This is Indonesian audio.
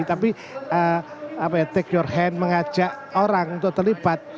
tapi take your hand mengajak orang untuk terlibat